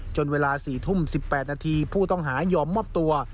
เวลา๔ทุ่ม๑๘นาทีผู้ต้องหายอมมอบตัว